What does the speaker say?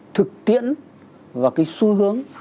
thực tiễn và cái xu hướng